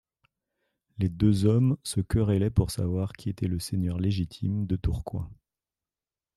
Les deux hommes se querellaient pour savoir qui était le seigneur légitime de Tourcoing.